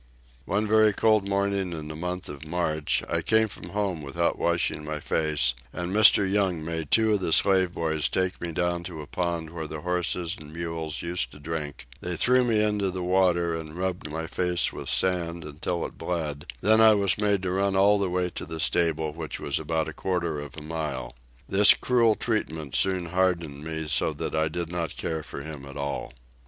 One very cold morning in the month of March, I came from home without washing my face, and Mr. Young made two of the slave boys take me down to a pond where the horses and mules used to drink; they threw me into the water and rubbed my face with sand until it bled, then I was made to run all the way to the stable, which was about a quarter of a mile. This cruel treatment soon hardened me so that I did not care for him at all.